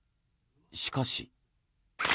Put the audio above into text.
しかし。